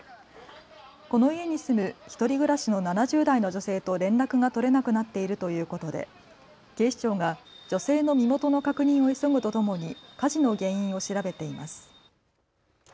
この家に住む１人暮らしの７０代の女性と連絡が取れなくなっているということで警視庁が女性の身元の確認を急ぐとともに火事の原因を調べています。